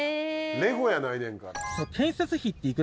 レゴやないねんから。